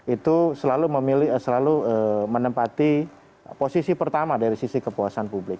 itu selalu menempati posisi pertama dari sisi kepuasan publik